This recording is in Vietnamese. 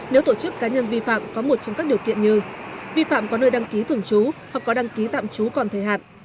nếu tổ chức cá nhân vi phạm có một trong các điều kiện như vi phạm có nơi đăng ký thường trú hoặc có đăng ký tạm trú còn thời hạn